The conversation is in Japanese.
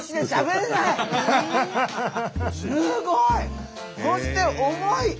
すごい！そして重い！